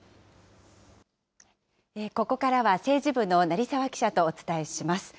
ここからは政治部の成澤記者とお伝えします。